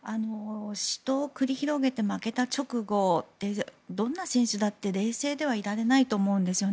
死闘を繰り広げて負けた直後ってどんな選手だって冷静ではいられないと思うんです。